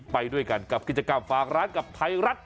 ไปด้วยกันกับกิจกรรมฝากร้านกับไทยรัฐ